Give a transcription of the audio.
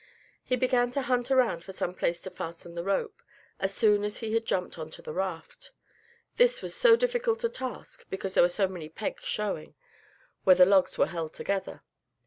He began to hunt around for some place to fasten the rope, as soon as he had jumped on to the raft. This was so difficult a task, because there were many pegs showing, where the logs were held together.